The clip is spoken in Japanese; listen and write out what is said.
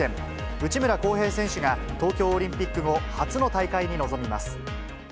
内村航平選手が、東京オリンピック後、初の大会に臨みます。